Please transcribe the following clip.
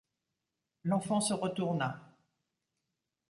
L’enfant se retourna.